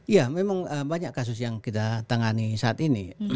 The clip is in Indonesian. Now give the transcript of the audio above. ya memang banyak kasus yang kita tangani saat ini